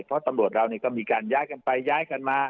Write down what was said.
เพราะตำรวจเราก็มีการย้ายกันไปย้ายกันมา